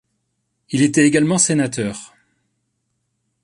Il était également sénateur.